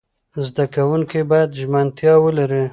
زده کوونکي باید ژمنتیا ولري.